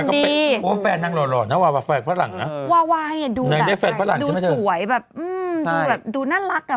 ดูสวยแบบอืมใช่ดูแบบดูน่ารักอะ